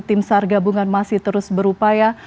kehubungan masih terus berupaya